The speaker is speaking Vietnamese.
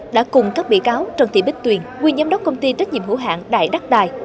đã cùng các bị cáo trần thị bích tuyền nguyên giám đốc công ty trách nhiệm hữu hạng đại đắc đài